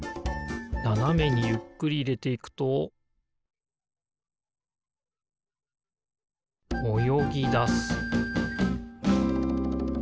ななめにゆっくりいれていくとおよぎだす